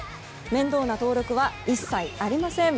面倒な登録は一切ありません。